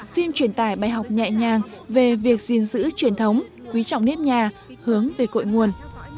phim truyền tải bài học nhẹ nhàng về việc gìn giữ truyền thống quý trọng nếp nhà hướng về cội nguồn